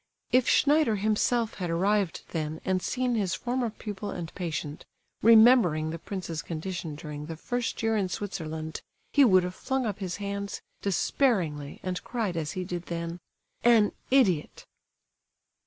If Schneider himself had arrived then and seen his former pupil and patient, remembering the prince's condition during the first year in Switzerland, he would have flung up his hands, despairingly, and cried, as he did then: "An idiot!"